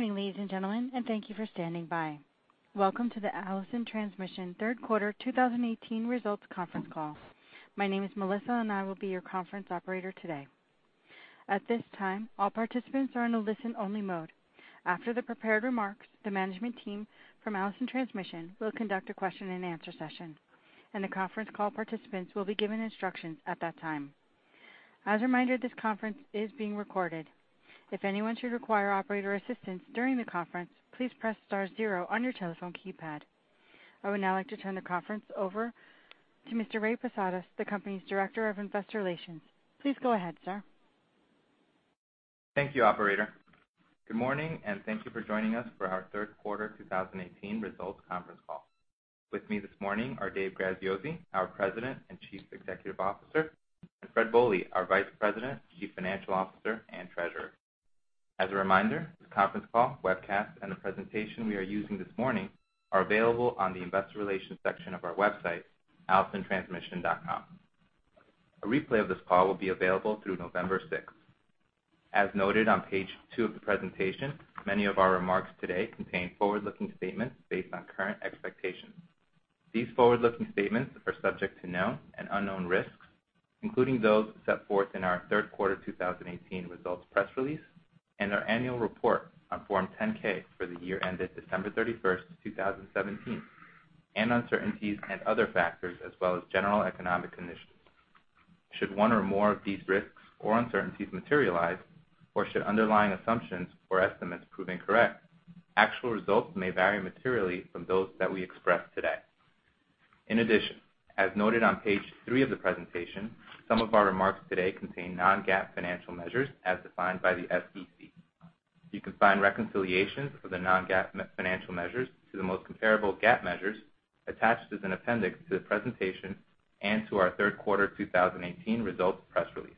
Good morning, ladies and gentlemen, and thank you for standing by. Welcome to the Allison Transmission third quarter 2018 results conference call. My name is Melissa, and I will be your conference operator today. At this time, all participants are in a listen-only mode. After the prepared remarks, the management team from Allison Transmission will conduct a question-and-answer session, and the conference call participants will be given instructions at that time. As a reminder, this conference is being recorded. If anyone should require operator assistance during the conference, please press star zero on your telephone keypad. I would now like to turn the conference over to Mr. Ray Posadas, the company's Director of Investor Relations. Please go ahead, sir. Thank you, operator. Good morning, and thank you for joining us for our third quarter 2018 results conference call. With me this morning are Dave Graziosi, our President and Chief Executive Officer, and Fred Bohley, our Vice President, Chief Financial Officer, and Treasurer. As a reminder, this conference call, webcast, and the presentation we are using this morning are available on the investor relations section of our website, allisontransmission.com. A replay of this call will be available through November 6th. As noted on page two of the presentation, many of our remarks today contain forward-looking statements based on current expectations. These forward-looking statements are subject to known and unknown risks, including those set forth in our third quarter 2018 results press release and our annual report on Form 10-K for the year ended December 31st, 2017, and uncertainties and other factors, as well as general economic conditions. Should one or more of these risks or uncertainties materialize, or should underlying assumptions or estimates prove incorrect, actual results may vary materially from those that we express today. In addition, as noted on page three of the presentation, some of our remarks today contain non-GAAP financial measures as defined by the SEC. You can find reconciliations for the non-GAAP financial measures to the most comparable GAAP measures attached as an appendix to the presentation and to our third quarter 2018 results press release.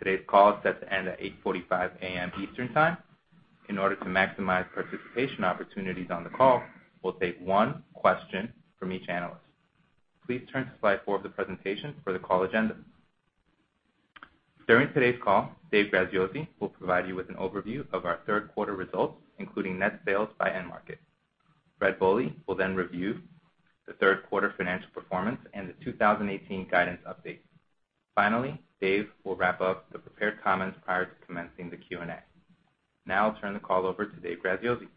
Today's call is set to end at 8:45 A.M. Eastern Time. In order to maximize participation opportunities on the call, we'll take one question from each analyst. Please turn to slide four of the presentation for the call agenda. During today's call, Dave Graziosi will provide you with an overview of our third quarter results, including net sales by end market. Fred Bohley will then review the third quarter financial performance and the 2018 guidance update. Finally, Dave will wrap up the prepared comments prior to commencing the Q&A. Now I'll turn the call over to Dave Graziosi.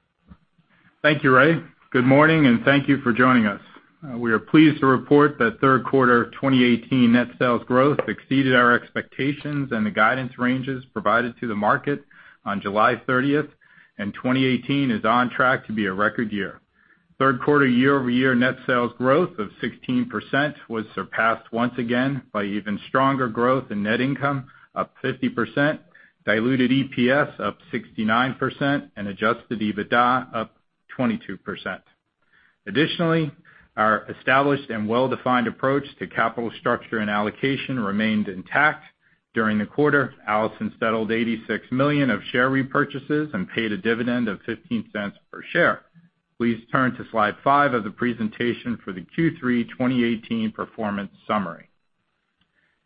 Thank you, Ray. Good morning, and thank you for joining us. We are pleased to report that third quarter of 2018 net sales growth exceeded our expectations and the guidance ranges provided to the market on July 30th, and 2018 is on track to be a record year. Third quarter year-over-year net sales growth of 16% was surpassed once again by even stronger growth in net income, up 50%, diluted EPS up 69%, and adjusted EBITDA up 22%. Additionally, our established and well-defined approach to capital structure and allocation remained intact. During the quarter, Allison settled $86 million of share repurchases and paid a dividend of $0.15 per share. Please turn to slide five of the presentation for the Q3 2018 performance summary.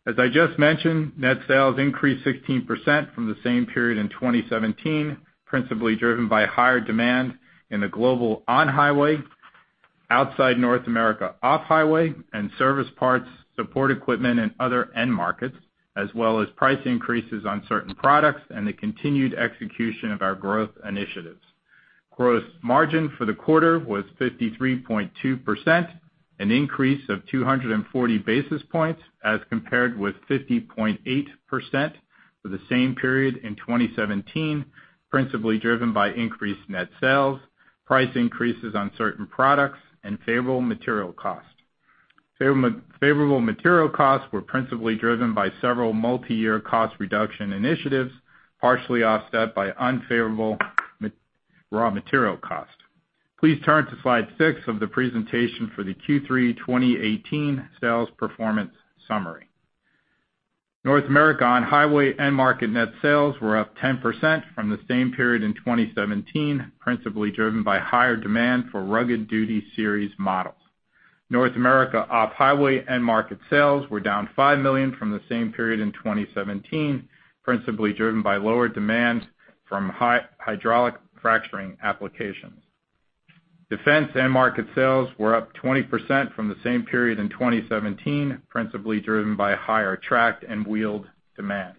As I just mentioned, net sales increased 16% from the same period in 2017, principally driven by higher demand in the global on-highway, outside North America off-highway, and service parts, support equipment, and other end markets, as well as price increases on certain products and the continued execution of our growth initiatives. Gross margin for the quarter was 53.2%, an increase of 240 basis points, as compared with 50.8% for the same period in 2017, principally driven by increased net sales, price increases on certain products, and favorable material cost. Favorable material costs were principally driven by several multi-year cost reduction initiatives, partially offset by unfavorable raw material cost. Please turn to slide six of the presentation for the Q3 2018 sales performance summary. North America on-highway end-market net sales were up 10% from the same period in 2017, principally driven by higher demand for Rugged Duty Series models. North America off-highway end-market sales were down $5 million from the same period in 2017, principally driven by lower demand from hydraulic fracturing applications. Defense end-market sales were up 20% from the same period in 2017, principally driven by higher tracked and wheeled demand.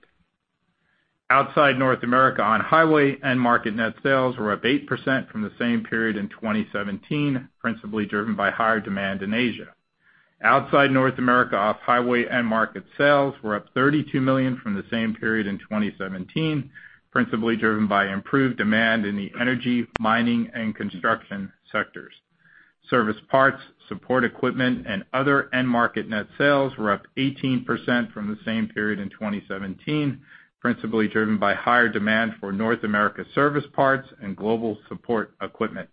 Outside North America, on-highway end-market net sales were up 8% from the same period in 2017, principally driven by higher demand in Asia. Outside North America, off-highway end-market sales were up $32 million from the same period in 2017, principally driven by improved demand in the energy, mining, and construction sectors. Service parts, support equipment, and other end-market net sales were up 18% from the same period in 2017, principally driven by higher demand for North America service parts and global support equipment.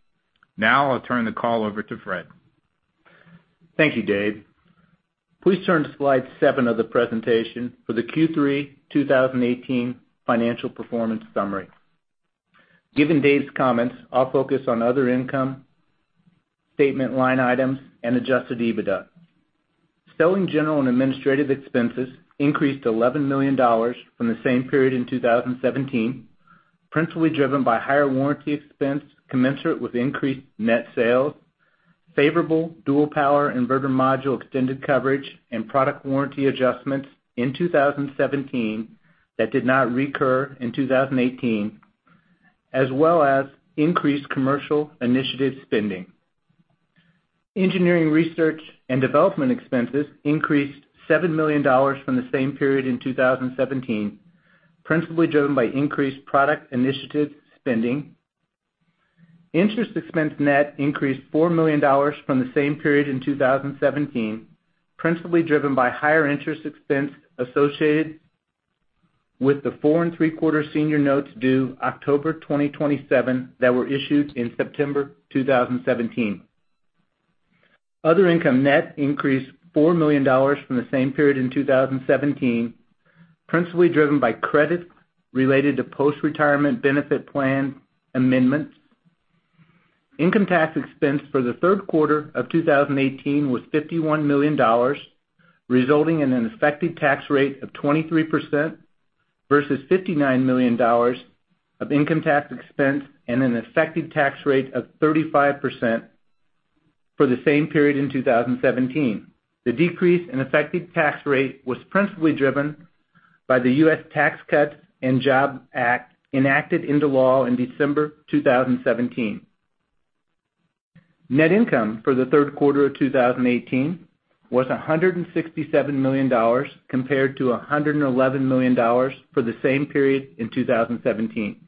Now I'll turn the call over to Fred. Thank you, Dave. Please turn to slide seven of the presentation for the Q3 2018 financial performance summary. Given Dave's comments, I'll focus on other income,... statement line items and adjusted EBITDA. Selling, general, and administrative expenses increased $11 million from the same period in 2017, principally driven by higher warranty expense commensurate with increased net sales, favorable Dual Power Inverter Module extended coverage, and product warranty adjustments in 2017 that did not recur in 2018, as well as increased commercial initiative spending. Engineering, research, and development expenses increased $7 million from the same period in 2017, principally driven by increased product initiative spending. Interest expense net increased $4 million from the same period in 2017, principally driven by higher interest expense associated with the 4.75% Senior Notes due October 2027 that were issued in September 2017. Other income net increased $4 million from the same period in 2017, principally driven by credit related to post-retirement benefit plan amendments. Income tax expense for the third quarter of 2018 was $51 million, resulting in an effective tax rate of 23%, versus $59 million of income tax expense and an effective tax rate of 35% for the same period in 2017. The decrease in effective tax rate was principally driven by the U.S. Tax Cuts and Jobs Act, enacted into law in December 2017. Net income for the third quarter of 2018 was $167 million, compared to $111 million for the same period in 2017.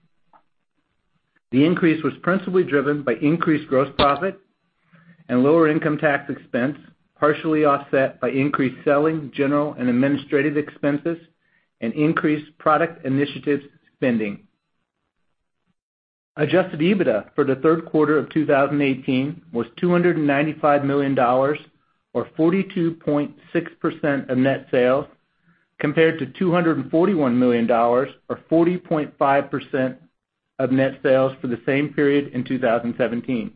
The increase was principally driven by increased gross profit and lower income tax expense, partially offset by increased selling, general, and administrative expenses, and increased product initiatives spending. Adjusted EBITDA for the third quarter of 2018 was $295 million, or 42.6% of net sales, compared to $241 million, or 40.5% of net sales for the same period in 2017.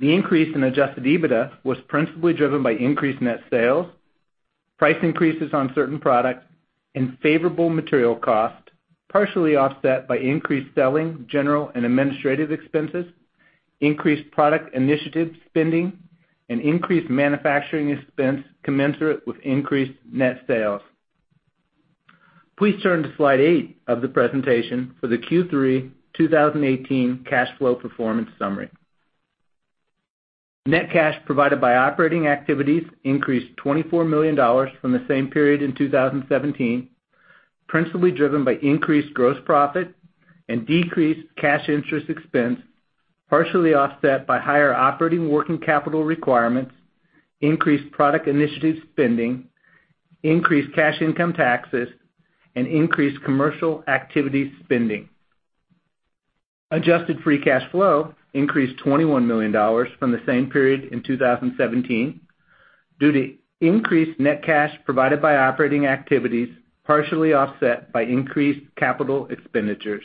The increase in adjusted EBITDA was principally driven by increased net sales, price increases on certain products, and favorable material costs, partially offset by increased selling, general, and administrative expenses, increased product initiative spending, and increased manufacturing expense commensurate with increased net sales. Please turn to slide 8 of the presentation for the Q3 2018 cash flow performance summary. Net cash provided by operating activities increased $24 million from the same period in 2017, principally driven by increased gross profit and decreased cash interest expense, partially offset by higher operating working capital requirements, increased product initiative spending, increased cash income taxes, and increased commercial activity spending. Adjusted free cash flow increased $21 million from the same period in 2017 due to increased net cash provided by operating activities, partially offset by increased capital expenditures.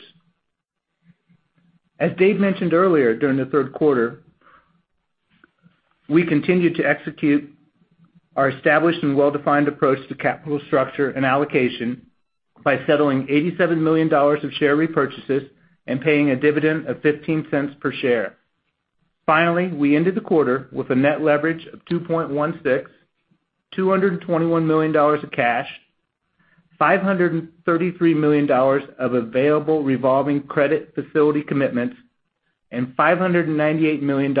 As Dave mentioned earlier, during the third quarter, we continued to execute our established and well-defined approach to capital structure and allocation by settling $87 million of share repurchases and paying a dividend of $0.15 per share. Finally, we ended the quarter with a net leverage of 2.16, $221 million of cash, $533 million of available revolving credit facility commitments, and $598 million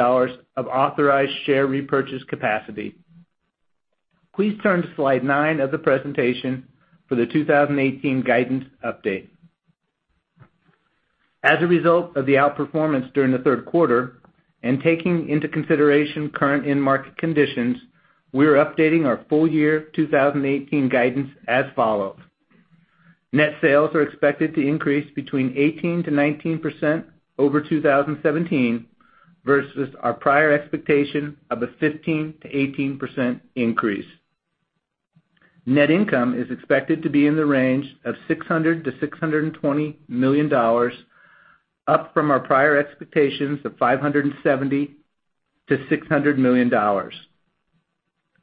of authorized share repurchase capacity. Please turn to slide nine of the presentation for the 2018 guidance update. As a result of the outperformance during the third quarter, and taking into consideration current end market conditions, we are updating our full-year 2018 guidance as follows: Net sales are expected to increase between 18%-19% over 2017 versus our prior expectation of a 15%-18% increase. Net income is expected to be in the range of $600 million-$620 million, up from our prior expectations of $570 million-$600 million.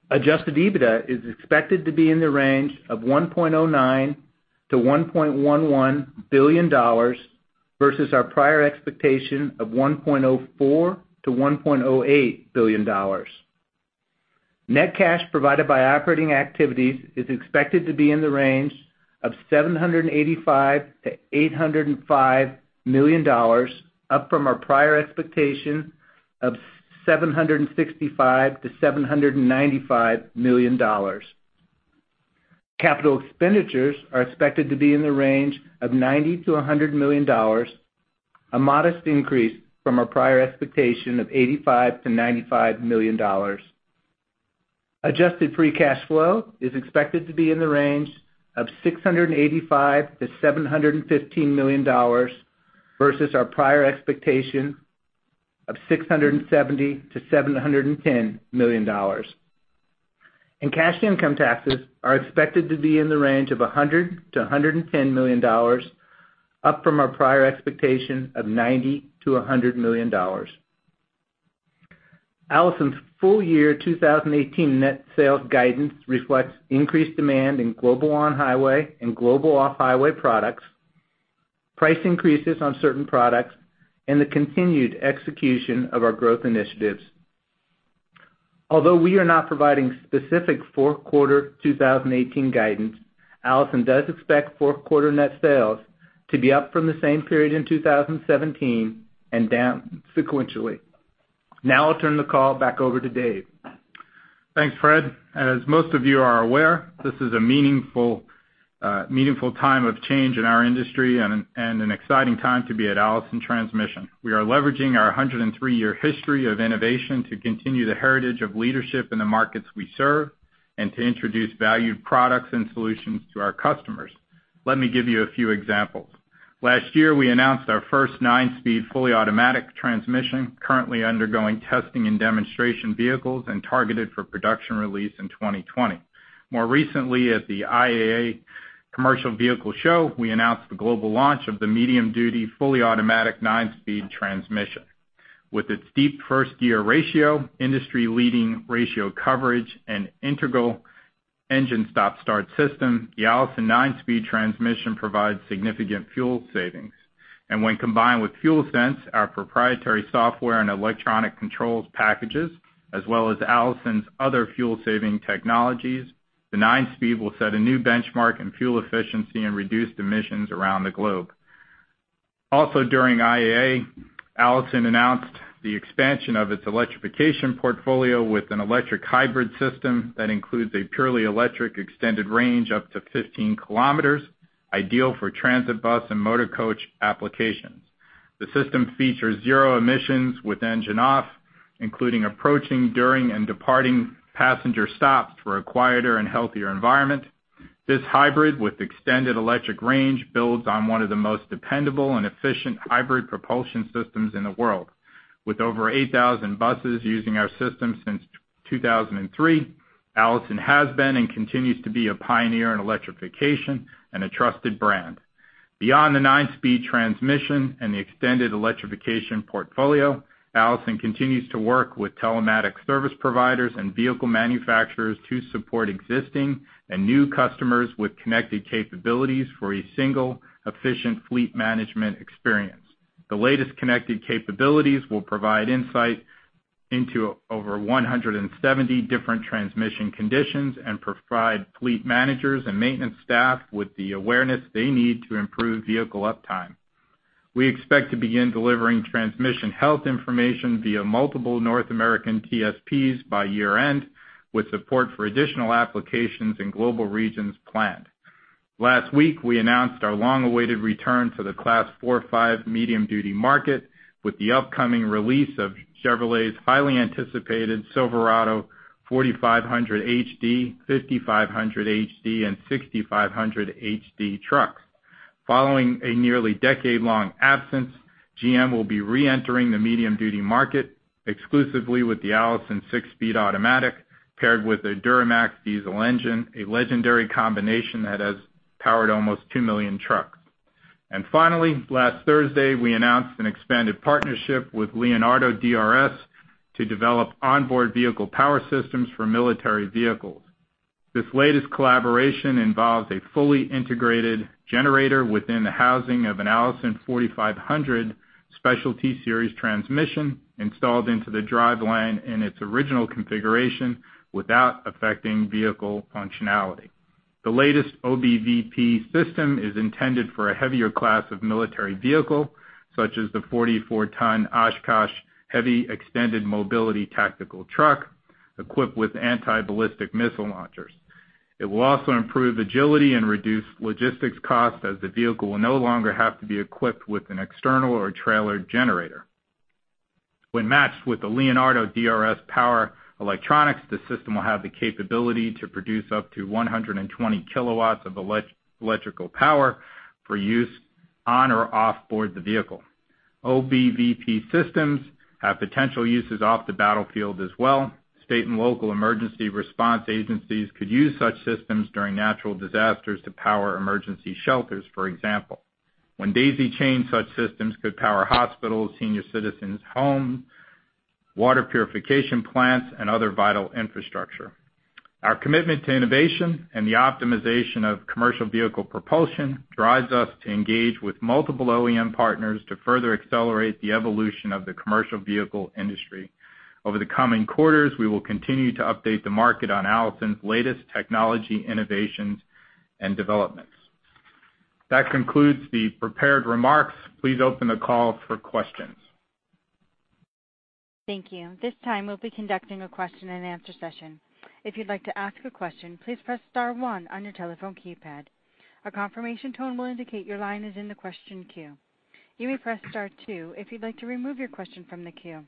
Adjusted EBITDA is expected to be in the range of $1.09 billion-$1.11 billion versus our prior expectation of $1.04 billion-$1.08 billion. Net cash provided by operating activities is expected to be in the range of $785 million-$805 million, up from our prior expectation of $765 million-$795 million. Capital expenditures are expected to be in the range of $90 million-$100 million, a modest increase from our prior expectation of $85 million-$95 million. Adjusted free cash flow is expected to be in the range of $685 million-$715 million versus our prior expectation of $670 million-$710 million, and cash income taxes are expected to be in the range of $100 million-$110 million, up from our prior expectation of $90 million-$100 million. Allison's full year 2018 net sales guidance reflects increased demand in global on-highway and global off-highway products, price increases on certain products, and the continued execution of our growth initiatives. Although we are not providing specific fourth quarter 2018 guidance, Allison does expect fourth quarter net sales to be up from the same period in 2017 and down sequentially. Now I'll turn the call back over to Dave. Thanks, Fred. As most of you are aware, this is a meaningful, meaningful time of change in our industry and an exciting time to be at Allison Transmission. We are leveraging our 103-year history of innovation to continue the heritage of leadership in the markets we serve and to introduce valued products and solutions to our customers. Let me give you a few examples. Last year, we announced our first 9-Speed, fully automatic transmission, currently undergoing testing and demonstration vehicles, and targeted for production release in 2020. More recently, at the IAA Commercial Vehicle Show, we announced the global launch of the medium-duty, fully automatic 9-Speed transmission. With its deep first-year ratio, industry-leading ratio coverage, and integral engine stop-start system, allison 9-Speed transmission provides significant fuel savings. When combined with FuelSense, our proprietary software and electronic controls packages, as well as Allison's other fuel-saving technologies, the 9-Speed will set a new benchmark in fuel efficiency and reduced emissions around the globe. Also, during IAA, Allison announced the expansion of its electrification portfolio with an electric hybrid system that includes a purely electric extended range up to 15 kilometers, ideal for transit bus and motor coach applications. The system features zero emissions with engine off, including approaching, during, and departing passenger stops for a quieter and healthier environment. This hybrid, with extended electric range, builds on one of the most dependable and efficient hybrid propulsion systems in the world. With over 8,000 buses using our system since 2003, Allison has been and continues to be a pioneer in electrification and a trusted brand. Beyond the 9-Speed transmission and the extended electrification portfolio, Allison continues to work with telematics service providers and vehicle manufacturers to support existing and new customers with connected capabilities for a single, efficient fleet management experience. The latest connected capabilities will provide insight into over 170 different transmission conditions and provide fleet managers and maintenance staff with the awareness they need to improve vehicle uptime. We expect to begin delivering transmission health information via multiple North American TSPs by year-end, with support for additional applications in global regions planned. Last week, we announced our long-awaited return to the Class 4, 5 medium-duty market with the upcoming release of Chevrolet's highly anticipated Silverado 4500HD, 5500HD, and 6500HD trucks. Following a nearly decade-long absence, GM will be reentering the medium-duty market exclusively with the Allison Six-Speed Automatic, paired with a Duramax diesel engine, a legendary combination that has powered almost two million trucks. Finally, last Thursday, we announced an expanded partnership with Leonardo DRS to develop Onboard Vehicle Power systems for military vehicles. This latest collaboration involves a fully integrated generator within the housing of an Allison 4500 Specialty Series transmission, installed into the driveline in its original configuration without affecting vehicle functionality. The latest OBVP system is intended for a heavier class of military vehicle, such as the 44-ton Oshkosh Heavy Expanded Mobility Tactical Truck, equipped with anti-ballistic missile launchers. It will also improve agility and reduce logistics costs, as the vehicle will no longer have to be equipped with an external or trailered generator. When matched with the Leonardo DRS power electronics, the system will have the capability to produce up to 120 kW of electrical power for use on or off board the vehicle. OBVP systems have potential uses off the battlefield as well. State and local emergency response agencies could use such systems during natural disasters to power emergency shelters, for example. When daisy-chained, such systems could power hospitals, senior citizens' homes, water purification plants, and other vital infrastructure. Our commitment to innovation and the optimization of commercial vehicle propulsion drives us to engage with multiple OEM partners to further accelerate the evolution of the commercial vehicle industry. Over the coming quarters, we will continue to update the market on Allison's latest technology innovations and developments. That concludes the prepared remarks. Please open the call for questions. Thank you. This time, we'll be conducting a question-and-answer session. If you'd like to ask a question, please press star one on your telephone keypad. A confirmation tone will indicate your line is in the question queue. You may press star two if you'd like to remove your question from the queue.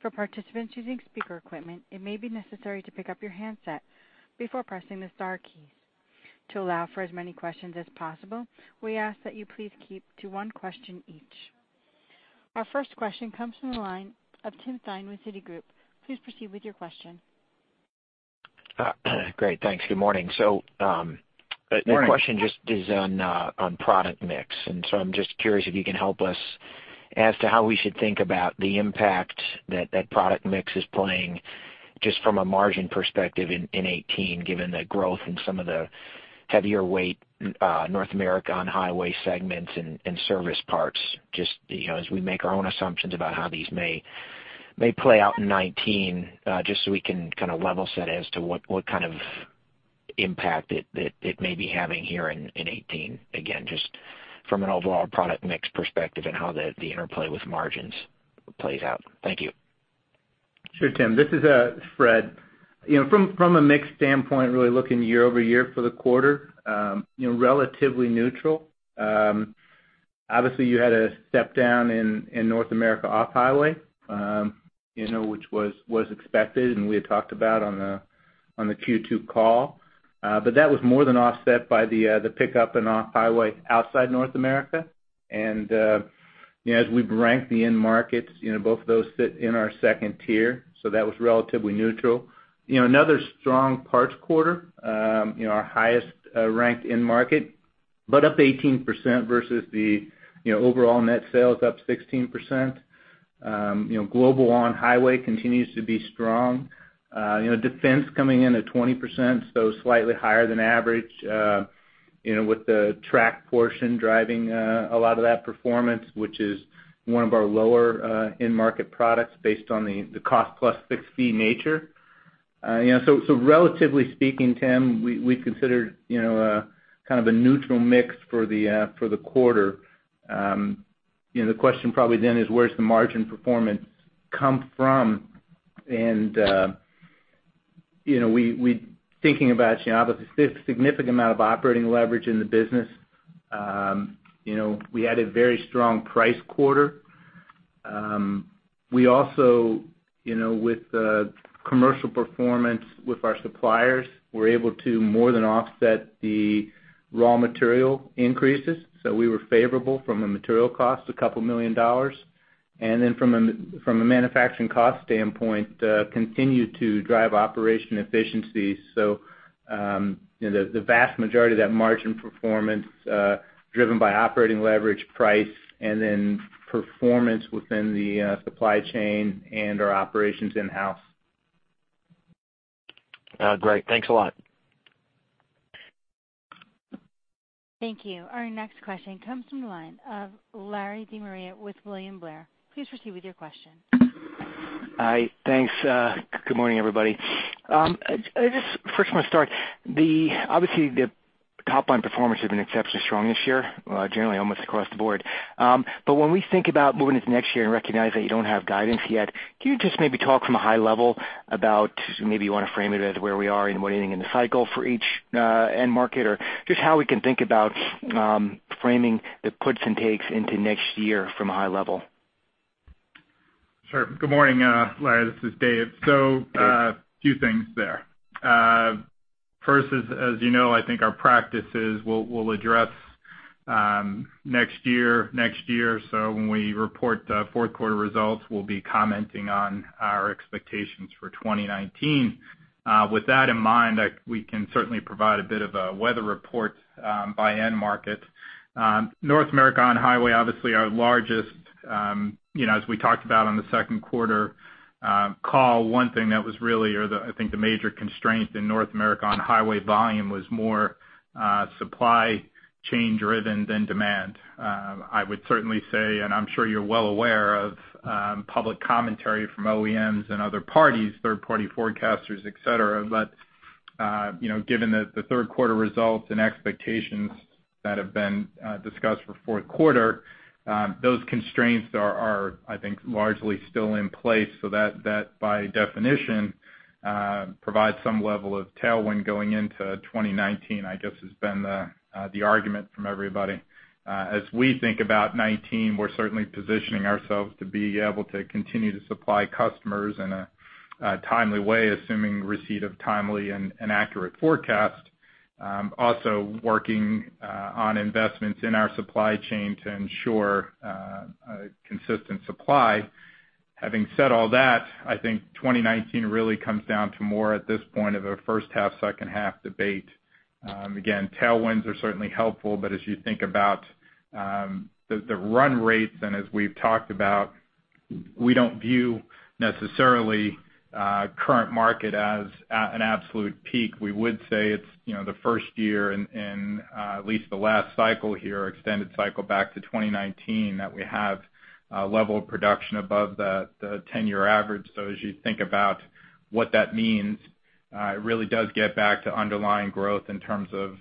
For participants using speaker equipment, it may be necessary to pick up your handset before pressing the star keys. To allow for as many questions as possible, we ask that you please keep to one question each. Our first question comes from the line of Timothy Thein with Citigroup. Please proceed with your question. Great, thanks. Good morning. So, Good morning. The question just is on product mix, and so I'm just curious if you can help us as to how we should think about the impact that product mix is playing just from a margin perspective in 2018, given the growth in some of the heavier weight North America on-highway segments and service parts, just, you know, as we make our own assumptions about how these may play out in 2019, just so we can kind of level set as to what kind of impact that it may be having here in 2018. Again, just from an overall product mix perspective and how the interplay with margins plays out. Thank you. Sure, Tim. This is Fred. You know, from a mix standpoint, really looking year over year for the quarter, you know, relatively neutral. Obviously, you had a step down in North America off-highway, you know, which was expected, and we had talked about on the Q2 call. But that was more than offset by the pickup in off-highway outside North America. And you know, as we've ranked the end markets, you know, both of those sit in our second tier, so that was relatively neutral. You know, another strong parts quarter, you know, our highest ranked end market, but up 18% versus the, you know, overall net sales up 16%. You know, global on-highway continues to be strong. You know, defense coming in at 20%, so slightly higher than average, you know, with the track portion driving a lot of that performance, which is one of our lower end market products based on the cost plus fixed fee nature. You know, so relatively speaking, Tim, we considered you know kind of a neutral mix for the quarter. You know, the question probably then is, where's the margin performance come from? You know, we thinking about you know obviously a significant amount of operating leverage in the business. You know, we had a very strong price quarter. We also you know with commercial performance with our suppliers, we're able to more than offset the raw material increases. So we were favorable from a material cost, $2 million. Then from a manufacturing cost standpoint, continued to drive operation efficiencies. So, you know, the vast majority of that margin performance driven by operating leverage, price, and then performance within the supply chain and our operations in-house. Great. Thanks a lot. Thank you. Our next question comes from the line of Lawrence De Maria with William Blair. Please proceed with your question. Hi, thanks. Good morning, everybody. I just first want to start, the—obviously, the top line performance has been exceptionally strong this year, generally almost across the board. But when we think about moving into next year and recognize that you don't have guidance yet, can you just maybe talk from a high level about maybe you want to frame it as where we are in what inning in the cycle for each, end market? Or just how we can think about, framing the puts and takes into next year from a high level. Sure. Good morning, Larry. This is Dave. Dave. So, a few things there. First, as you know, I think our practice is we'll address next year, next year. So when we report fourth quarter results, we'll be commenting on our expectations for 2019. With that in mind, we can certainly provide a bit of a weather report by end market. North America on-highway, obviously our largest, you know, as we talked about on the second quarter call, one thing that was really, or the, I think the major constraint in North America on-highway volume was more supply chain driven than demand. I would certainly say, and I'm sure you're well aware of, public commentary from OEMs and other parties, third-party forecasters, et cetera. But, you know, given that the third quarter results and expectations that have been discussed for fourth quarter, those constraints are, I think, largely still in place. So that, by definition, provides some level of tailwind going into 2019, I guess, has been the argument from everybody. As we think about 2019, we're certainly positioning ourselves to be able to continue to supply customers in a timely way, assuming receipt of timely and accurate forecast. Also working on investments in our supply chain to ensure a consistent supply. Having said all that, I think 2019 really comes down to more, at this point, of a first half, second half debate. Again, tailwinds are certainly helpful, but as you think about the run rates, and as we've talked about, we don't view necessarily current market as an absolute peak. We would say it's, you know, the first year in at least the last cycle here, extended cycle back to 2019, that we have a level of production above the 10-year average. So as you think about what that means, it really does get back to underlying growth in terms of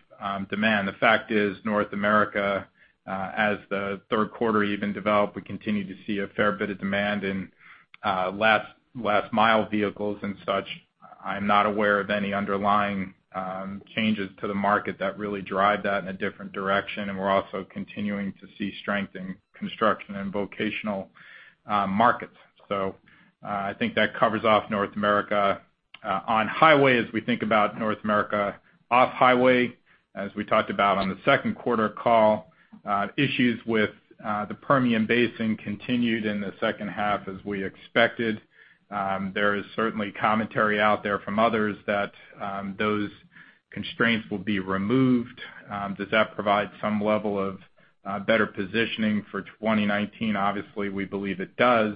demand. The fact is, North America, as the third quarter even developed, we continued to see a fair bit of demand in last mile vehicles and such. I'm not aware of any underlying changes to the market that really drive that in a different direction, and we're also continuing to see strength in construction and vocational markets. So, I think that covers off North America on highway. As we think about North America off-highway, as we talked about on the second quarter call, issues with the Permian Basin continued in the second half, as we expected. There is certainly commentary out there from others that those constraints will be removed. Does that provide some level of better positioning for 2019? Obviously, we believe it does,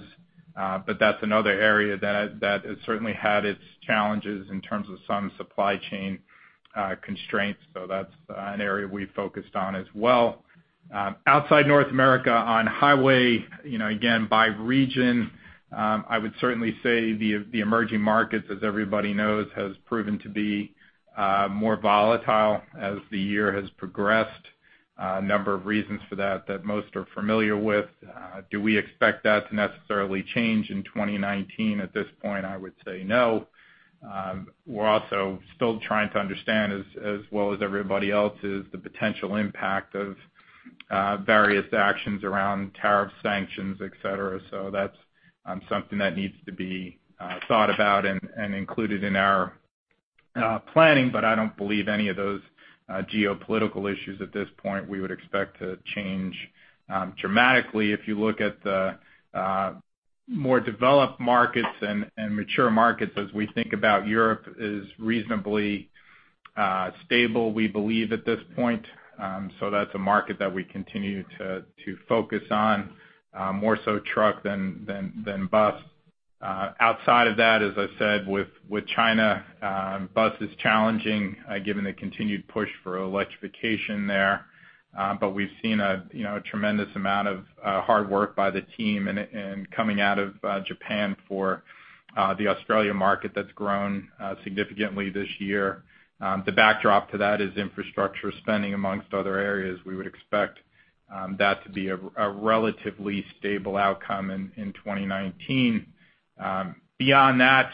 but that's another area that has certainly had its challenges in terms of some supply chain constraints, so that's an area we've focused on as well. Outside North America, on highway, you know, again, by region, I would certainly say the, the emerging markets, as everybody knows, has proven to be, more volatile as the year has progressed. A number of reasons for that, that most are familiar with. Do we expect that to necessarily change in 2019? At this point, I would say no. We're also still trying to understand, as, as well as everybody else, is the potential impact of, various actions around tariff sanctions, et cetera. So that's, something that needs to be, thought about and, and included in our, planning, but I don't believe any of those, geopolitical issues at this point, we would expect to change, dramatically. If you look at the more developed markets and mature markets, as we think about Europe, is reasonably stable, we believe, at this point. So that's a market that we continue to focus on more so truck than bus. Outside of that, as I said, with China, bus is challenging given the continued push for electrification there. But we've seen a, you know, a tremendous amount of hard work by the team and coming out of Japan for the Australia market that's grown significantly this year. The backdrop to that is infrastructure spending amongst other areas. We would expect that to be a relatively stable outcome in 2019. Beyond that,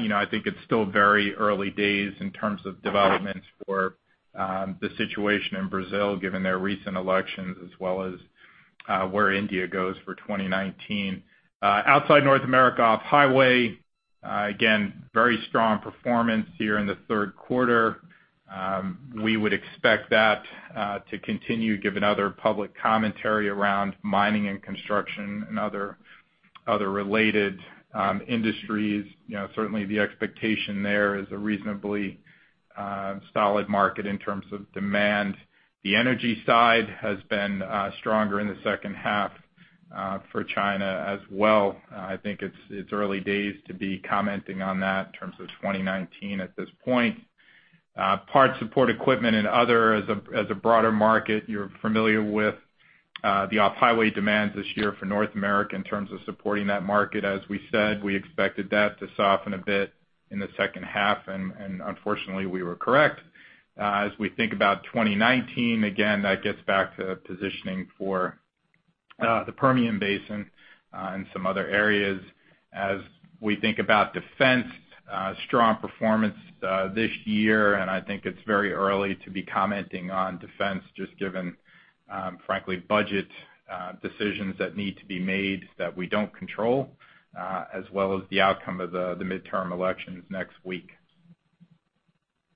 you know, I think it's still very early days in terms of developments for the situation in Brazil, given their recent elections, as well as where India goes for 2019. Outside North America, off-highway, again, very strong performance here in the third quarter. We would expect that to continue, given other public commentary around mining and construction and other related industries. You know, certainly the expectation there is a reasonably solid market in terms of demand. The energy side has been stronger in the second half for China as well. I think it's early days to be commenting on that in terms of 2019 at this point. Parts support equipment and other, as a broader market, you're familiar with the off-highway demands this year for North America in terms of supporting that market. As we said, we expected that to soften a bit in the second half, and unfortunately, we were correct. As we think about 2019, again, that gets back to positioning for the Permian Basin and some other areas. As we think about defense, strong performance this year, and I think it's very early to be commenting on defense, just given, frankly, budget decisions that need to be made that we don't control, as well as the outcome of the midterm elections next week.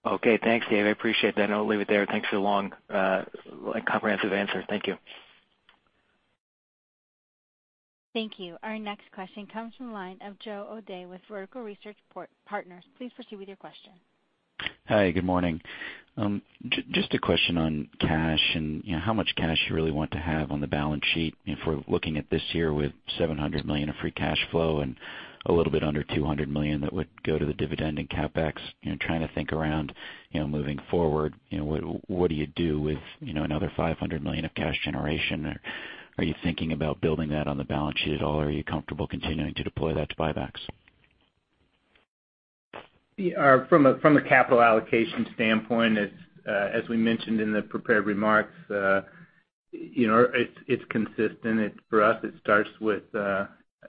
Okay. Thanks, Dave. I appreciate that, and I'll leave it there. Thanks for the long, comprehensive answer. Thank you. Thank you. Our next question comes from the line of Joe O'Dea with Vertical Research Partners. Please proceed with your question. Hi, good morning. Just a question on cash and, you know, how much cash you really want to have on the balance sheet. If we're looking at this year with $700 million of free cash flow and a little bit under $200 million that would go to the dividend and CapEx, you know, trying to think around, you know, moving forward, you know, what, what do you do with, you know, another $500 million of cash generation? Are you thinking about building that on the balance sheet at all, or are you comfortable continuing to deploy that to buybacks? Yeah, from a capital allocation standpoint, as we mentioned in the prepared remarks, you know, it's consistent. For us, it starts with,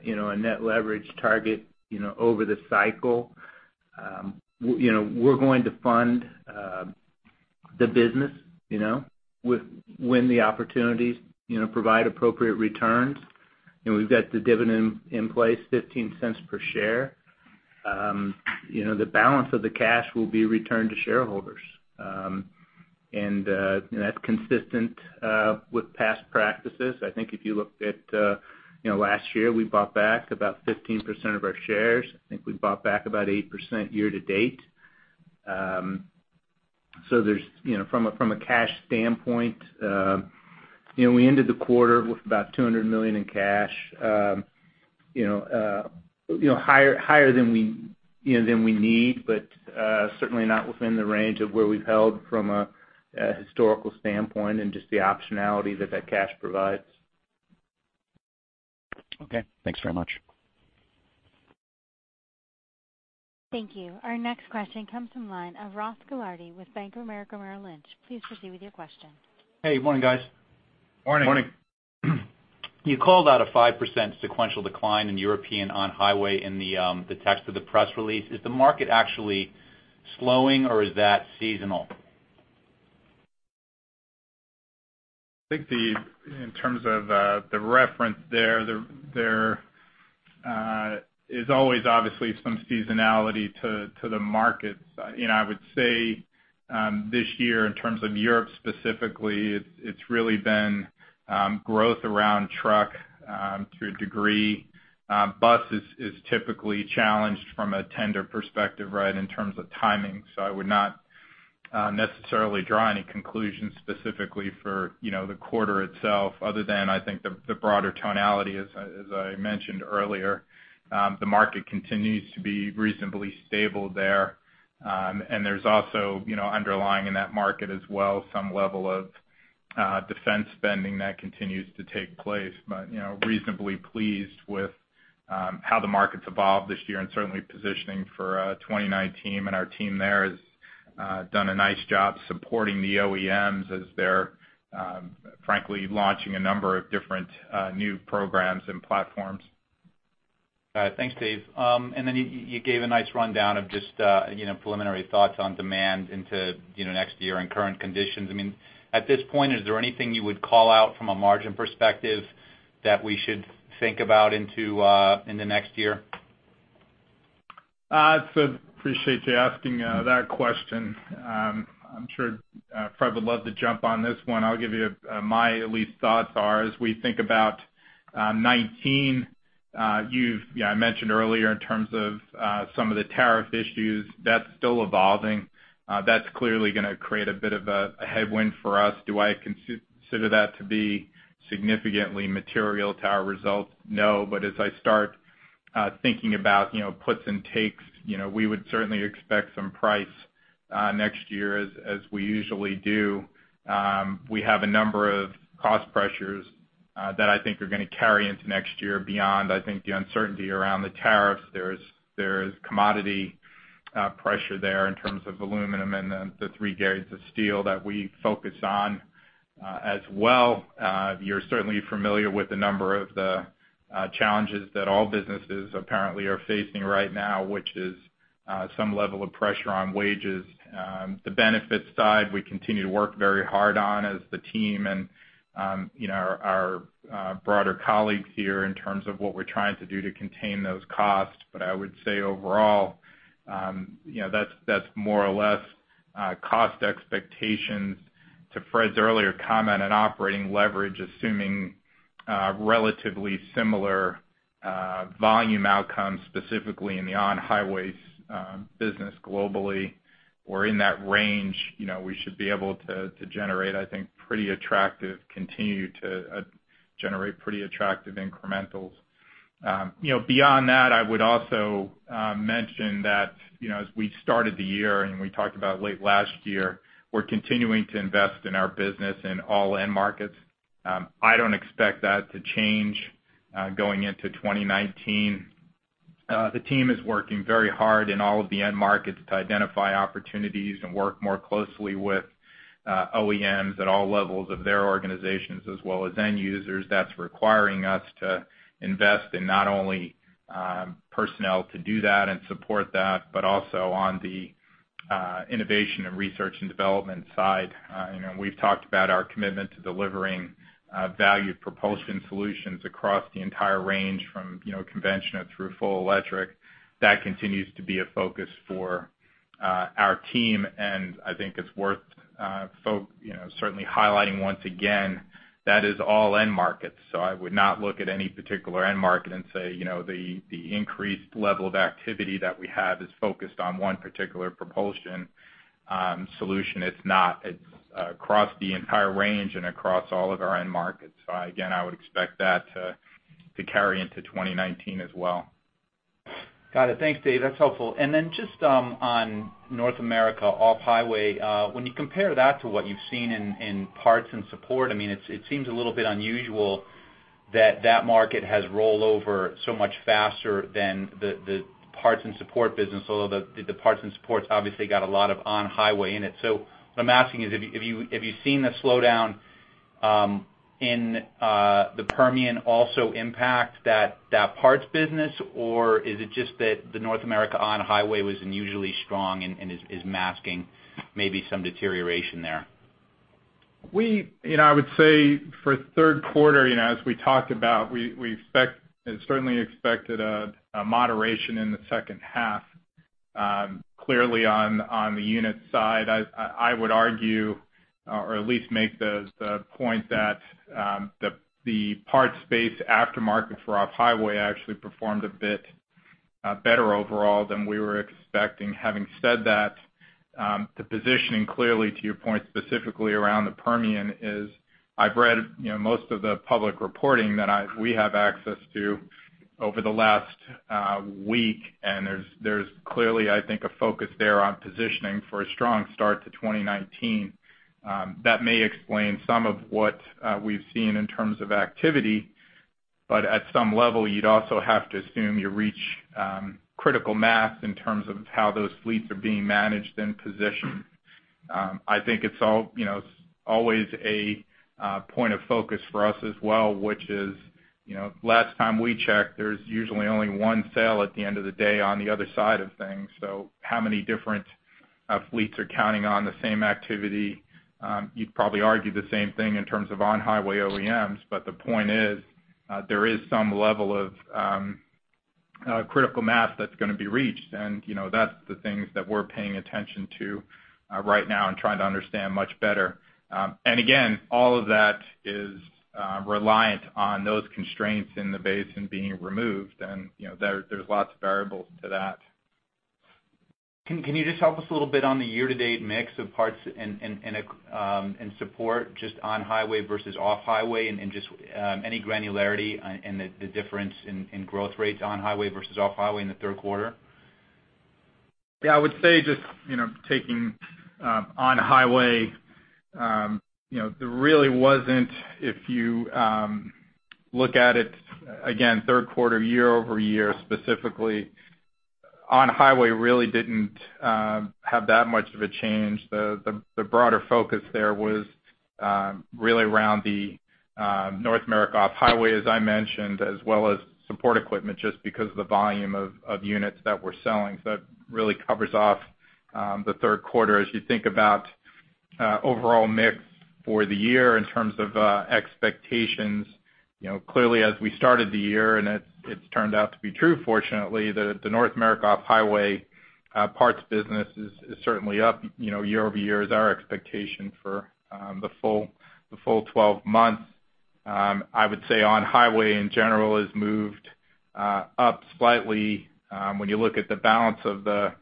you know, a net leverage target, you know, over the cycle. You know, we're going to fund the business, you know, when the opportunities, you know, provide appropriate returns, and we've got the dividend in place, $0.15 per share. You know, the balance of the cash will be returned to shareholders. And, that's consistent with past practices. I think if you looked at, you know, last year, we bought back about 15% of our shares. I think we bought back about 8% year to date. So there's, you know, from a cash standpoint, you know, we ended the quarter with about $200 million in cash. You know, higher than we need, but certainly not within the range of where we've held from a historical standpoint and just the optionality that cash provides. Okay, thanks very much. Thank you. Our next question comes from line of Ross Gilardi with Bank of America Merrill Lynch. Please proceed with your question. Hey, morning, guys. Morning. Morning. You called out a 5% sequential decline in European on-highway in the text of the press release. Is the market actually slowing, or is that seasonal?... I think in terms of the reference there, there is always obviously some seasonality to the markets. You know, I would say this year, in terms of Europe specifically, it's really been growth around truck to a degree. Bus is typically challenged from a tender perspective, right, in terms of timing. So I would not necessarily draw any conclusions specifically for the quarter itself other than I think the broader tonality, as I mentioned earlier. The market continues to be reasonably stable there. And there's also, you know, underlying in that market as well, some level of defense spending that continues to take place. But, you know, reasonably pleased with how the market's evolved this year and certainly positioning for 2019. Our team there has done a nice job supporting the OEMs as they're frankly launching a number of different new programs and platforms. Got it. Thanks, Dave. And then you, you gave a nice rundown of just, you know, preliminary thoughts on demand into, you know, next year and current conditions. I mean, at this point, is there anything you would call out from a margin perspective that we should think about into, in the next year? So appreciate you asking that question. I'm sure Fred would love to jump on this one. I'll give you my at least thoughts are, as we think about 2019. Yeah, I mentioned earlier in terms of some of the tariff issues, that's still evolving. That's clearly gonna create a bit of a headwind for us. Do I consider that to be significantly material to our results? No. But as I start thinking about, you know, puts and takes, you know, we would certainly expect some price next year as we usually do. We have a number of cost pressures that I think are gonna carry into next year beyond, I think, the uncertainty around the tariffs. There's commodity pressure there in terms of aluminum and then the three gauges of steel that we focus on, as well. You're certainly familiar with the number of challenges that all businesses apparently are facing right now, which is some level of pressure on wages. The benefits side, we continue to work very hard on as the team and, you know, our broader colleagues here in terms of what we're trying to do to contain those costs. But I would say overall, you know, that's more or less cost expectations. To Fred's earlier comment on operating leverage, assuming relatively similar volume outcomes, specifically in the on-highway business globally, we're in that range, you know, we should be able to generate, I think, pretty attractive, continue to generate pretty attractive incrementals. You know, beyond that, I would also mention that, you know, as we started the year, and we talked about late last year, we're continuing to invest in our business in all end markets. I don't expect that to change going into 2019. The team is working very hard in all of the end markets to identify opportunities and work more closely with OEMs at all levels of their organizations, as well as end users. That's requiring us to invest in not only personnel to do that and support that, but also on the innovation and research and development side. You know, we've talked about our commitment to delivering value propulsion solutions across the entire range from, you know, conventional through full electric. That continues to be a focus for our team, and I think it's worth you know, certainly highlighting once again, that is all end markets. So I would not look at any particular end market and say, you know, the increased level of activity that we have is focused on one particular propulsion solution. It's not. It's across the entire range and across all of our end markets. So again, I would expect that to carry into 2019 as well. Got it. Thanks, Dave. That's helpful. And then just on North America off-highway, when you compare that to what you've seen in parts and support, I mean, it seems a little bit unusual that that market has rolled over so much faster than the parts and support business, although the parts and supports obviously got a lot of on-highway in it. So what I'm asking is, have you seen the slowdown in the Permian also impact that parts business, or is it just that the North America on-highway was unusually strong and is masking maybe some deterioration there? You know, I would say for third quarter, you know, as we talked about, we expect, and certainly expected a moderation in the second half. Clearly on the unit side, I would argue, or at least make the point that the parts space aftermarket for off-highway actually performed a bit better overall than we were expecting. Having said that, the positioning, clearly to your point, specifically around the Permian is. I've read, you know, most of the public reporting that we have access to over the last week, and there's clearly, I think, a focus there on positioning for a strong start to 2019. That may explain some of what we've seen in terms of activity, but at some level, you'd also have to assume you reach critical mass in terms of how those fleets are being managed and positioned. I think it's all, you know, always a point of focus for us as well, which is. You know, last time we checked, there's usually only one sale at the end of the day on the other side of things. So how many different fleets are counting on the same activity? You'd probably argue the same thing in terms of on-highway OEMs, but the point is, there is some level of critical mass that's gonna be reached, and, you know, that's the things that we're paying attention to right now and trying to understand much better. And again, all of that is reliant on those constraints in the basin being removed, and, you know, there, there's lots of variables to that. Can you just help us a little bit on the year-to-date mix of parts and support, just on-highway versus off-highway, and just any granularity and the difference in growth rates on-highway versus off-highway in the third quarter? Yeah, I would say just, you know, taking on-highway, you know, there really wasn't if you look at it, again, third quarter, year-over-year, specifically, on-highway really didn't have that much of a change. The broader focus there was really around the North America off-highway, as I mentioned, as well as support equipment, just because of the volume of units that we're selling. So that really covers off the third quarter. As you think about overall mix for the year in terms of expectations, you know, clearly as we started the year, and it, it's turned out to be true, fortunately, that the North America off-highway parts business is certainly up, you know, year-over-year is our expectation for the full 12 months. I would say on-highway, in general, has moved up slightly. When you look at the balance of the,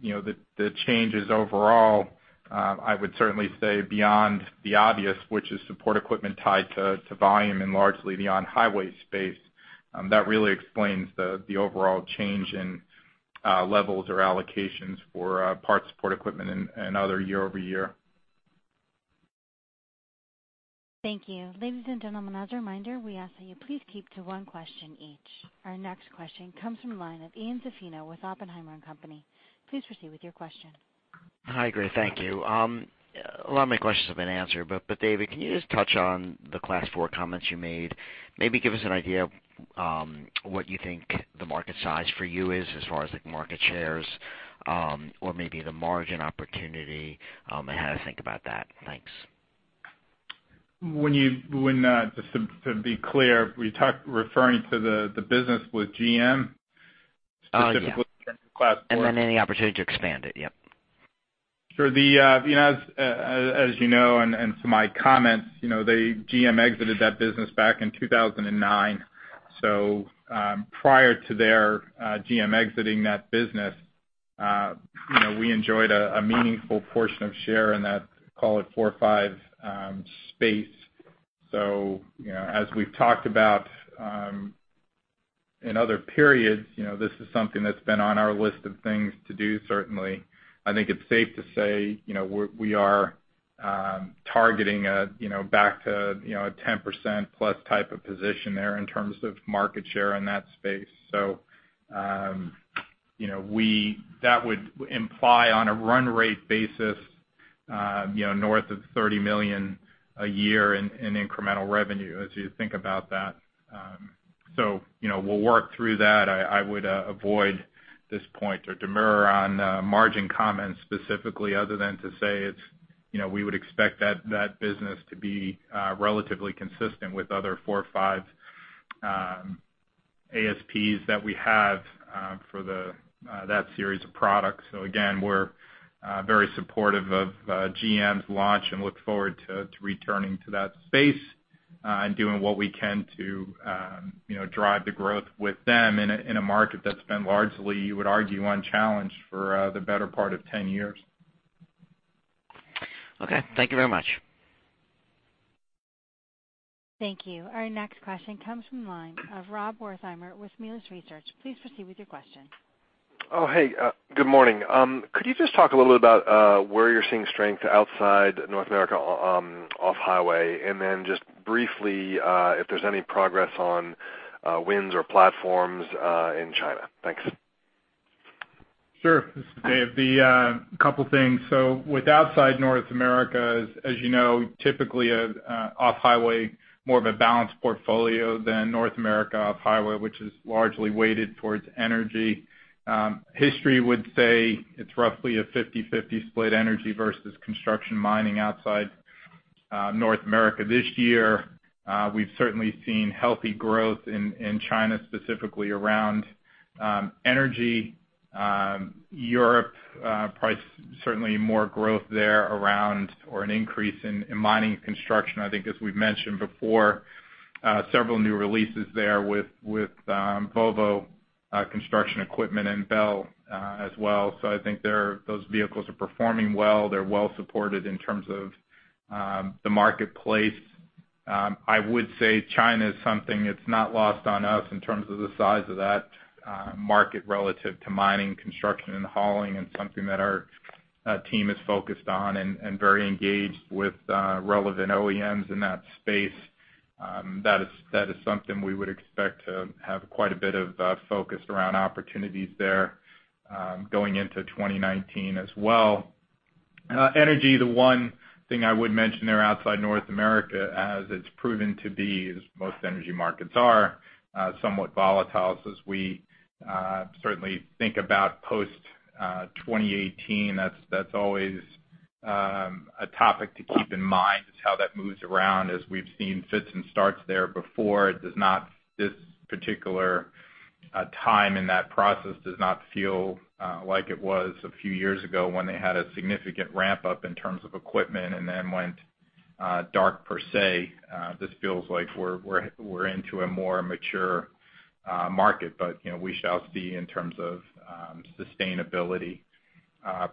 you know, the changes overall, I would certainly say beyond the obvious, which is support equipment tied to volume and largely the on-highway space, that really explains the overall change in levels or allocations for parts, support, equipment and other year over year. Thank you. Ladies and gentlemen, as a reminder, we ask that you please keep to one question each. Our next question comes from the line of Ian Zaffino with Oppenheimer & Co. Please proceed with your question. Hi, great, thank you. A lot of my questions have been answered, but David, can you just touch on the Class 4 comments you made? Maybe give us an idea of what you think the market size for you is, as far as, like, market shares, or maybe the margin opportunity, and how to think about that. Thanks. Just to be clear, we talked referring to the business with GM? Oh, yeah. Specifically Class 4. And then any opportunity to expand it. Yep. Sure. You know, as you know, and from my comments, you know, they, GM exited that business back in 2009. So, prior to their GM exiting that business, you know, we enjoyed a meaningful portion of share in that, call it four or five space. So, you know, as we've talked about in other periods, you know, this is something that's been on our list of things to do, certainly. I think it's safe to say, you know, we are targeting a back to a 10% plus type of position there in terms of market share in that space. So, you know, we... That would imply on a run rate basis, you know, north of $30 million a year in incremental revenue as you think about that. So, you know, we'll work through that. I would avoid this point or demur on margin comments specifically, other than to say it's, you know, we would expect that business to be relatively consistent with other four, five ASPs that we have for that series of products. So again, we're very supportive of GM's launch and look forward to returning to that space and doing what we can to, you know, drive the growth with them in a market that's been largely, you would argue, unchallenged for the better part of 10 years. Okay. Thank you very much. Thank you. Our next question comes from the line of Rob Wertheimer with Melius Research. Please proceed with your question. Oh, hey, good morning. Could you just talk a little bit about where you're seeing strength outside North America, off-highway, and then just briefly, if there's any progress on wins or platforms in China? Thanks. Sure. This is Dave. The couple things. So with outside North America, as you know, typically, off-highway, more of a balanced portfolio than North America off-highway, which is largely weighted towards energy. History would say it's roughly a 50/50 split energy versus construction, mining outside North America. This year, we've certainly seen healthy growth in China, specifically around energy. Europe, primarily, certainly more growth there around or an increase in mining and construction. I think as we've mentioned before, several new releases there with Volvo Construction Equipment and Bell Equipment as well. So I think there, those vehicles are performing well. They're well supported in terms of the marketplace. I would say China is something that's not lost on us in terms of the size of that market relative to mining, construction, and hauling, and something that our team is focused on and very engaged with relevant OEMs in that space. That is something we would expect to have quite a bit of focus around opportunities there, going into 2019 as well. Energy, the one thing I would mention there outside North America, as it's proven to be, as most energy markets are, somewhat volatile. So as we certainly think about post 2018, that's always a topic to keep in mind, is how that moves around as we've seen fits and starts there before. It does not. This particular time in that process does not feel like it was a few years ago when they had a significant ramp up in terms of equipment and then went dark per se. This feels like we're into a more mature market, but, you know, we shall see in terms of sustainability,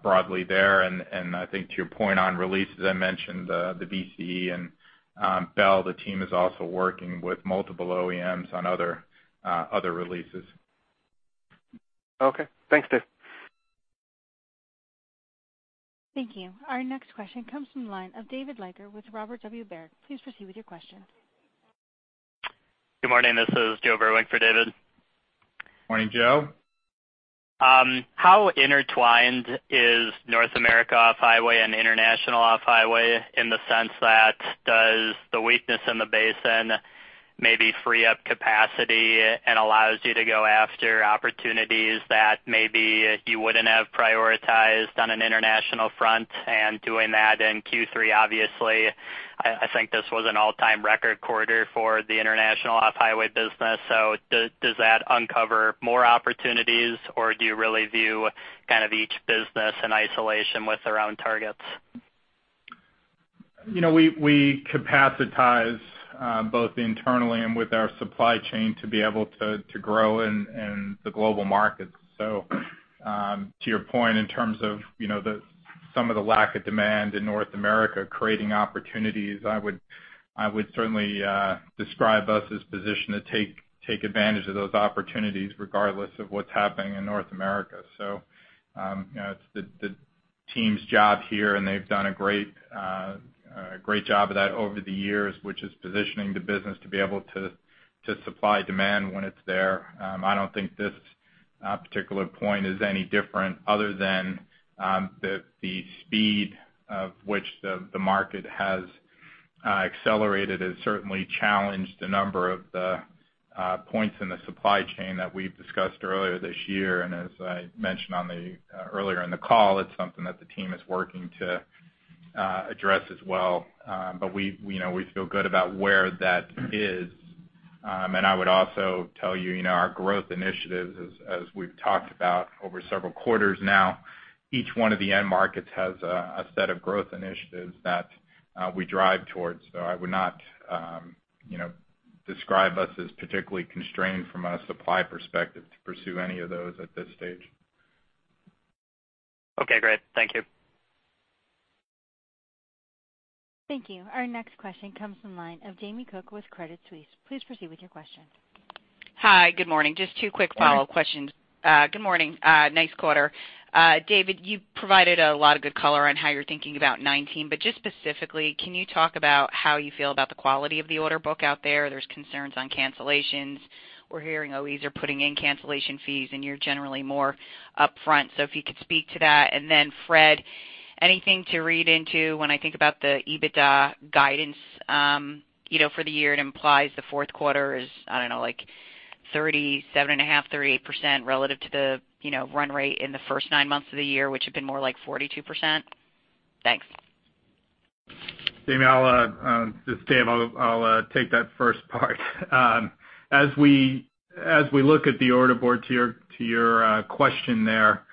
broadly there. I think to your point on releases, I mentioned the VCE and Bell. The team is also working with multiple OEMs on other releases. Okay. Thanks, Dave. Thank you. Our next question comes from the line of David Leiker with Robert W. Baird. Please proceed with your question. Good morning. This is Joe Vruwink for David. Morning, Joe. How intertwined is North America off-highway and international off-highway, in the sense that does the weakness in the basin maybe free up capacity and allows you to go after opportunities that maybe you wouldn't have prioritized on an international front and doing that in Q3? Obviously, I think this was an all-time record quarter for the international off-highway business. So does that uncover more opportunities, or do you really view kind of each business in isolation with their own targets? You know, we, we capacitize both internally and with our supply chain, to be able to, to grow in, in the global markets. So, to your point, in terms of, you know, the, some of the lack of demand in North America, creating opportunities, I would, I would certainly describe us as positioned to take, take advantage of those opportunities regardless of what's happening in North America. So, you know, it's the, the team's job here, and they've done a great, great job of that over the years, which is positioning the business to be able to, to supply demand when it's there. I don't think this particular point is any different other than the speed of which the market has accelerated has certainly challenged a number of the points in the supply chain that we've discussed earlier this year. As I mentioned earlier in the call, it's something that the team is working to address as well. But we, you know, we feel good about where that is. And I would also tell you, you know, our growth initiatives, as we've talked about over several quarters now, each one of the end markets has a set of growth initiatives that we drive towards. So I would not, you know, describe us as particularly constrained from a supply perspective to pursue any of those at this stage. Okay, great. Thank you. Thank you. Our next question comes from line of Jamie Cook with Credit Suisse. Please proceed with your question. Hi, good morning. Just two quick follow-up questions. Morning. Good morning. Nice quarter. David, you provided a lot of good color on how you're thinking about 2019, but just specifically, can you talk about how you feel about the quality of the order book out there? There's concerns on cancellations. We're hearing OEs are putting in cancellation fees, and you're generally more upfront. So if you could speak to that. And then, Fred, anything to read into when I think about the EBITDA guidance, you know, for the year, it implies the fourth quarter is, I don't know, like 37.5%-38% relative to the, you know, run rate in the first nine months of the year, which had been more like 42%? Thanks. Jamie, I'll, this is Dave, I'll take that first part. As we look at the order board to your question there,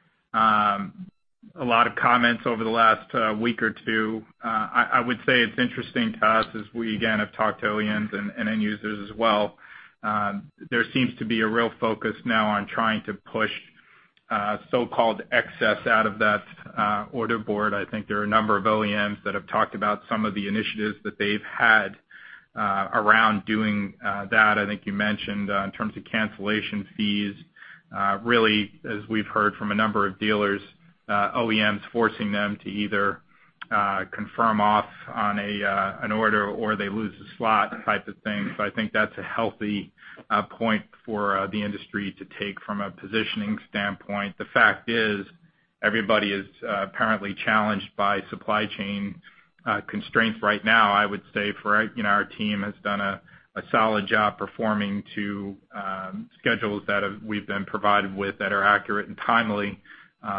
a lot of comments over the last week or two. I would say it's interesting to us, as we again have talked to OEMs and end users as well, there seems to be a real focus now on trying to push so-called excess out of that order board. I think there are a number of OEMs that have talked about some of the initiatives that they've had around doing that. I think you mentioned in terms of cancellation fees, really, as we've heard from a number of dealers, OEMs forcing them to either confirm off on a an order or they lose the slot type of thing. So I think that's a healthy point for the industry to take from a positioning standpoint. The fact is, everybody is apparently challenged by supply chain constraints right now. I would say for you know, our team has done a solid job performing to schedules that we've been provided with, that are accurate and timely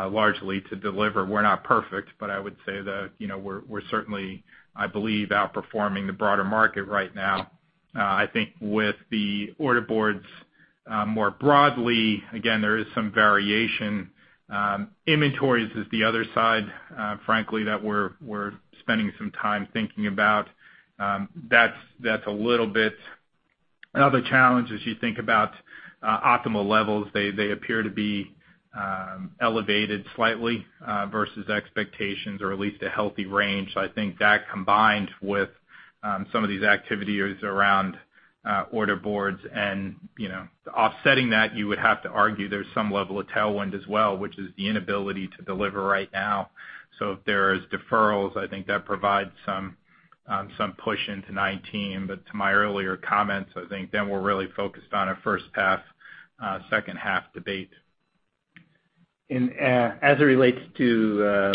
largely to deliver. We're not perfect, but I would say that you know, we're certainly, I believe, outperforming the broader market right now. I think with the order boards more broadly, again, there is some variation. Inventories is the other side, frankly, that we're spending some time thinking about. That's a little bit another challenge as you think about optimal levels. They appear to be elevated slightly versus expectations or at least a healthy range. So I think that, combined with some of these activities around order boards and, you know, offsetting that, you would have to argue there's some level of tailwind as well, which is the inability to deliver right now. So if there is deferrals, I think that provides some push into 2019. But to my earlier comments, I think then we're really focused on a first half, second half debate. As it relates to,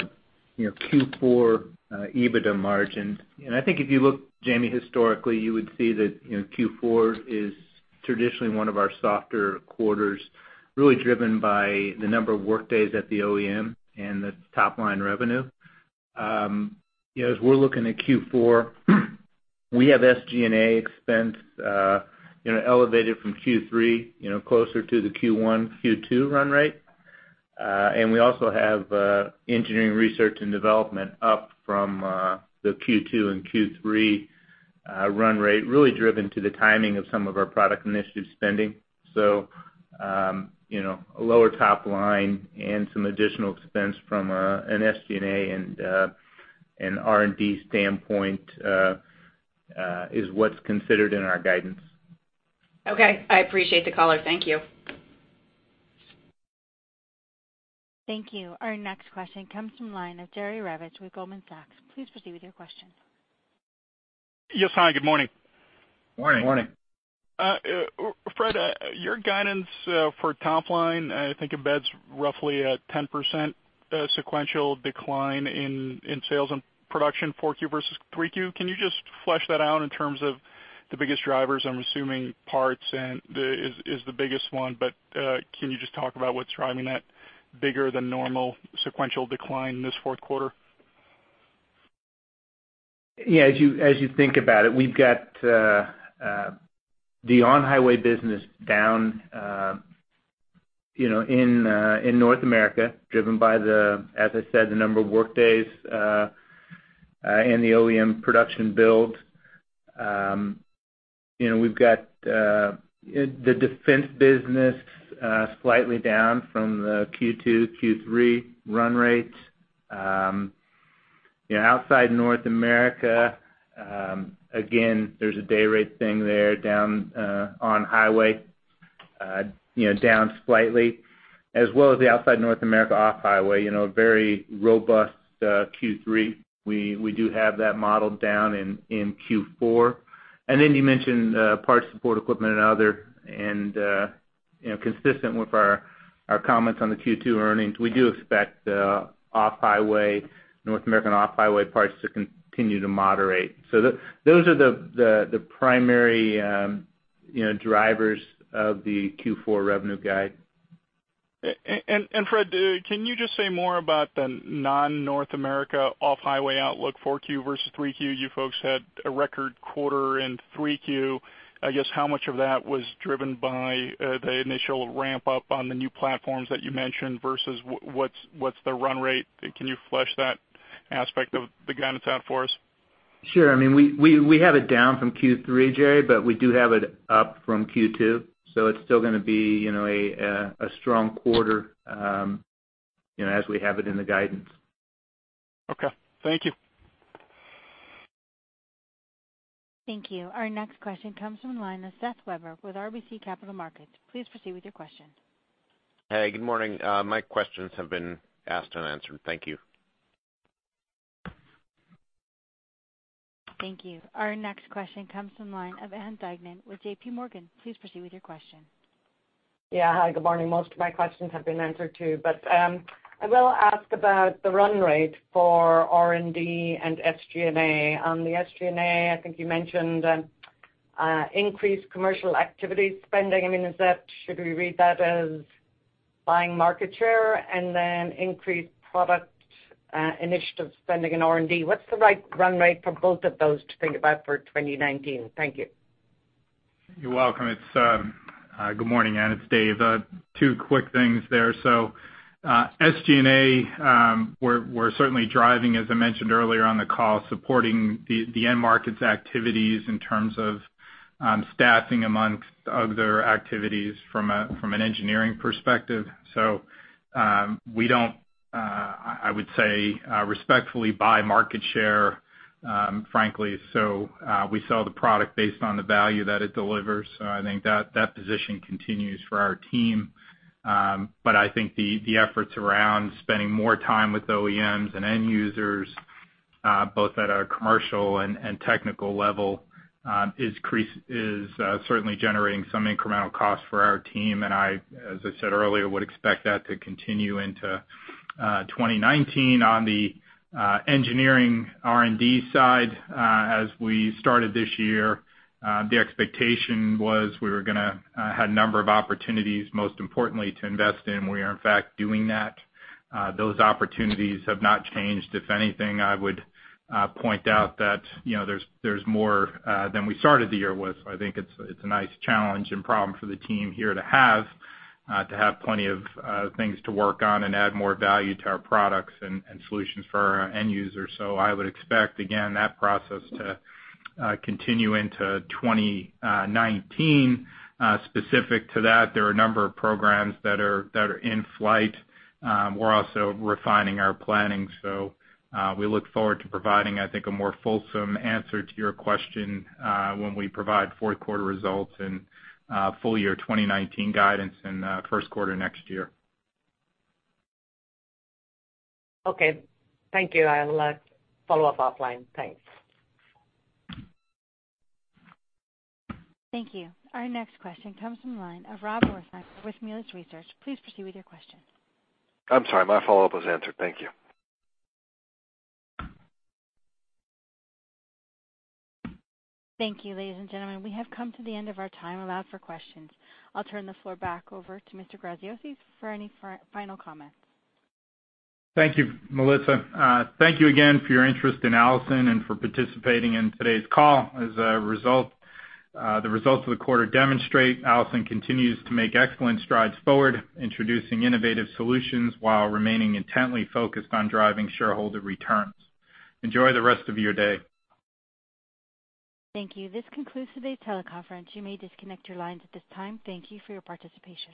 you know, Q4, EBITDA margin, and I think if you look, Jamie, historically, you would see that, you know, Q4 is traditionally one of our softer quarters, really driven by the number of workdays at the OEM and the top line revenue. You know, as we're looking at Q4, we have SG&A expense, you know, elevated from Q3, you know, closer to the Q1, Q2 run rate. And we also have, engineering, research, and development up from, the Q2 and Q3, run rate, really driven to the timing of some of our product initiative spending. You know, a lower top line and some additional expense from, an SG&A and, an R&D standpoint, is what's considered in our guidance. Okay, I appreciate the color. Thank you. Thank you. Our next question comes from line of Jerry Revich with Goldman Sachs. Please proceed with your question. Yes, hi, good morning. Morning. Morning. Fred, your guidance for top line, I think, embeds roughly a 10% sequential decline in sales and production 4Q versus Q3. Can you just flesh that out in terms of the biggest drivers? I'm assuming parts is the biggest one, but can you just talk about what's driving that bigger than normal sequential decline this fourth quarter? Yeah, as you think about it, we've got the on-highway business down, you know, in North America, driven by the, as I said, the number of workdays and the OEM production build. You know, we've got the defense business slightly down from the Q2, Q3 run rates. You know, outside North America, again, there's a day rate thing there down on-highway, you know, down slightly, as well as the outside North America off-highway, you know, a very robust Q3. We do have that modeled down in Q4. And then you mentioned parts, support, equipment and other, and you know, consistent with our comments on the Q2 earnings, we do expect off-highway, North American off-highway parts to continue to moderate. So those are the primary, you know, drivers of the Q4 revenue guide. Fred, can you just say more about the non-North America off-highway outlook 4Q versus 3Q? You folks had a record quarter in 3Q. I guess, how much of that was driven by the initial ramp-up on the new platforms that you mentioned, versus what's the run rate? Can you flesh that aspect of the guidance out for us? Sure. I mean, we have it down from Q3, Jerry, but we do have it up from Q2, so it's still gonna be, you know, a strong quarter, you know, as we have it in the guidance. Okay, thank you. Thank you. Our next question comes from the line of Seth Weber with RBC Capital Markets. Please proceed with your question. Hey, good morning. My questions have been asked and answered. Thank you. Thank you. Our next question comes from line of Ann Duignan with J.P. Morgan. Please proceed with your question. Yeah. Hi, good morning. Most of my questions have been answered, too. But I will ask about the run rate for R&D and SG&A. On the SG&A, I think you mentioned increased commercial activity spending. I mean, is that—should we read that as buying market share and then increased product initiative spending on R&D? What's the right run rate for both of those to think about for 2019? Thank you. You're welcome. It's good morning, Ann, it's Dave. Two quick things there. So, SG&A, we're certainly driving, as I mentioned earlier on the call, supporting the end markets activities in terms of, staffing amongst other activities from an engineering perspective. So, we don't, I would say, respectfully, buy market share, frankly. So, we sell the product based on the value that it delivers. So I think that position continues for our team. But I think the efforts around spending more time with OEMs and end users, both at a commercial and technical level, is certainly generating some incremental costs for our team. And I, as I said earlier, would expect that to continue into 2019. On the engineering R&D side, as we started this year, the expectation was we were gonna have a number of opportunities, most importantly, to invest in. We are, in fact, doing that. Those opportunities have not changed. If anything, I would point out that, you know, there's more than we started the year with. I think it's a nice challenge and problem for the team here to have to have plenty of things to work on and add more value to our products and solutions for our end users. So I would expect, again, that process to continue into 2019. Specific to that, there are a number of programs that are in flight. We're also refining our planning, so we look forward to providing, I think, a more fulsome answer to your question when we provide fourth quarter results and full year 2019 guidance in first quarter next year. Okay, thank you. I'll follow up offline. Thanks. Thank you. Our next question comes from the line of Rob Wertheimer with Melius Research. Please proceed with your question. I'm sorry, my follow-up was answered. Thank you. Thank you, ladies and gentlemen. We have come to the end of our time allowed for questions. I'll turn the floor back over to Mr. Graziosi for any final comments. Thank you, Melissa. Thank you again for your interest in Allison and for participating in today's call. As a result, the results of the quarter demonstrate Allison continues to make excellent strides forward, introducing innovative solutions while remaining intently focused on driving shareholder returns. Enjoy the rest of your day. Thank you. This concludes today's teleconference. You may disconnect your lines at this time. Thank you for your participation.